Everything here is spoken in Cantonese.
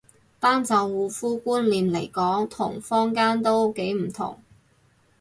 單就護膚觀念嚟講同坊間都幾唔同